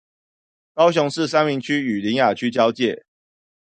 高雄市三民區與苓雅區交界